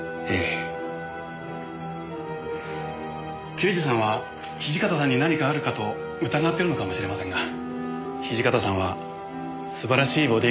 刑事さんは土方さんに何かあるかと疑ってるのかもしれませんが土方さんは素晴らしいボディーガードでしたよ。